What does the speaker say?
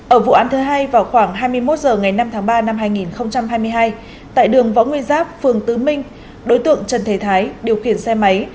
ở vụ án thứ hai vào khoảng hai mươi một h ngày năm tháng ba năm hai nghìn hai mươi hai tại đường võ nguyên giáp phường tứ minh đối tượng trần thế thái điều khiển xe máy